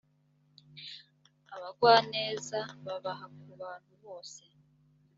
abagwaneza babahaku bantu bose .